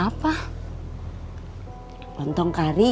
masak proses yang penting ini